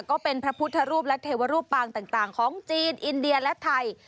ก็เป็นพระพุทธรูปและเทวรูปปางต่างของจีนอินเดียและไทย